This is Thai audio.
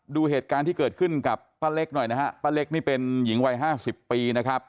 ดูเหตุการณ์ที่เกิดขึ้นกับป้าเล็กหน่อยนะฮะป้าเล็กนี่เป็นหญิงวัยห้าสิบปีนะครับ